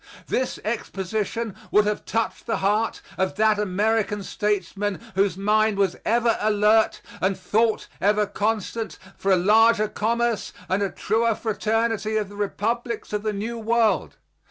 This Exposition would have touched the heart of that American statesman whose mind was ever alert and thought ever constant for a larger commerce and a truer fraternity of the republics of the New World.